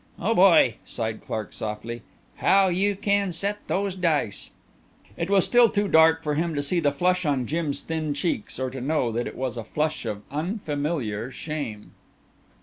"Oh boy!" sighed Clark softly, "how you can set those dice!" It was still too dark for him to see the flush on Jim's thin cheeks or to know that it was a flush of unfamiliar shame.